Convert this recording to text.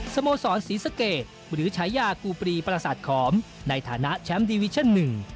สโมสรศรีสะเกดหรือฉายากูปรีประสาทขอมในฐานะแชมป์ดีวิชั่นหนึ่ง